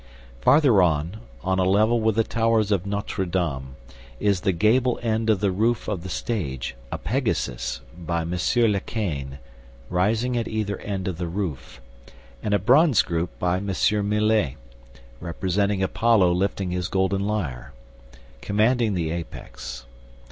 Farther on, on a level with the towers of Notre Dame, is the gable end of the roof of the stage, a 'Pegasus', by M. Lequesne, rising at either end of the roof, and a bronze group by M. Millet, representing 'Apollo lifting his golden lyre', commanding the apex.